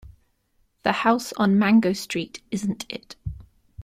The house on Mango Street isn't it.